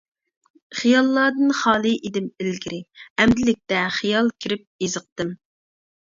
خىياللاردىن خالىي ئىدىم ئىلگىرى، ئەمدىلىكتە خىيال كىرىپ ئېزىقتىم.